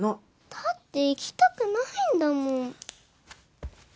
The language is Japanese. だって行きたくないんだもん。